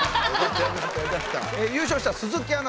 優勝した鈴木アナ